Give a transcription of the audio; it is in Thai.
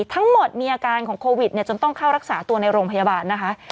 มีอาการของโควิดจนต้องเข้ารักษาตัวในโรงพยาบาลนะคะ